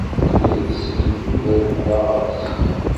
Tura i teshel tudert da ɣef zik.